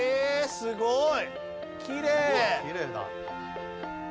すごいきれいな。